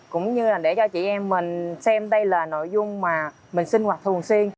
cũng như là để cho chị em mình xem đây là nội dung mà mình sinh hoạt thường xuyên